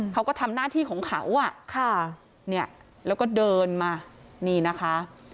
เขาก็ทำหน้าที่ของเขาแล้วก็เดินมานี่นะคะ